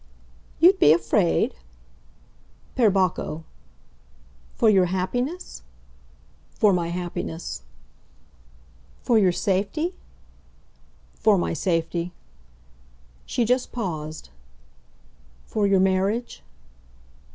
"You'd be afraid ?" "Per Bacco!" "For your happiness?" "For my happiness." "For your safety?" "For my safety." She just paused. "For your marriage?"